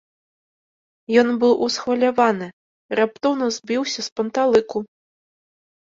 Ён быў усхваляваны, раптоўна збіўся з панталыку.